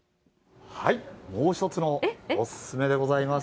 もう１つのお勧めでございます。